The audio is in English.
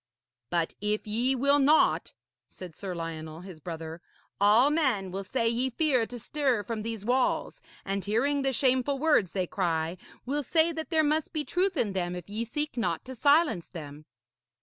'But if ye will not,' said Sir Lionel, his brother, 'all men will say ye fear to stir from these walls, and hearing the shameful words they cry, will say that there must be truth in them if ye seek not to silence them.'